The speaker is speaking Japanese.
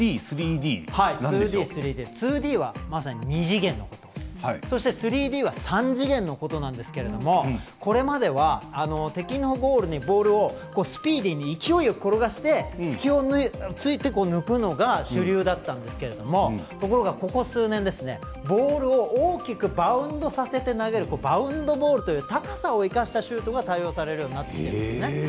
２Ｄは、まさに二次元のことそして３Ｄは三次元のことなんですけれどもこれまでは、敵のゴールにボールをスピーディーに勢いよく転がして隙を突いて抜くのが主流だったんですがところが、ここ数年ボールを大きくバウンドさせて投げるバウンドボールという高さを生かしたシュートが多用されるようになってきたんですね。